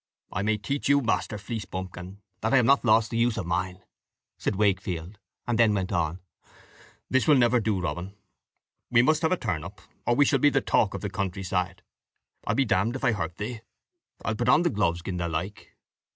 "I may teach you, Master Fleecebumpkin, that I have not lost the use of mine," said Wakefield, and then went on: "This will never do, Robin. We must have a turn up, or we shall be the talk of the countryside. I'll be d d if I hurt thee. I'll put on the gloves gin thou like.